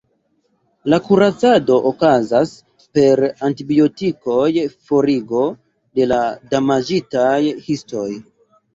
La kuracado okazas per antibiotikoj, forigo de la damaĝitaj histoj.